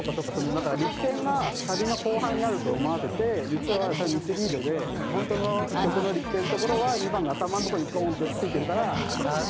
だから力点がサビの後半にあると思わせて実はそれはミスリードで本当の曲の力点のところは２番の頭のところにゴーンってついてるから。